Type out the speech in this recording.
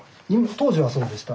当時はそうでした。